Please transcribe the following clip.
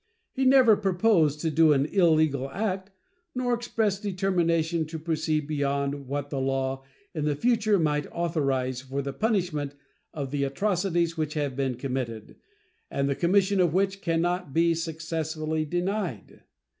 He never proposed to do an illegal act nor expressed determination to proceed beyond what the law in the future might authorize for the punishment of the atrocities which have been committed, and the commission of which can not be successfully denied.